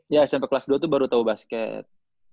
iya smp kelas dua tuh baru tau basket